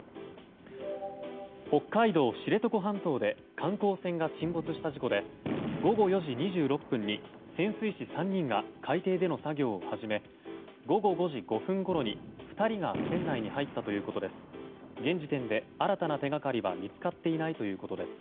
北海道知床半島で観光船が沈没した事故で午後４時２６分に潜水士３人が海底での作業を始め午後５時５分ごろに、２人が船内に入ったということです。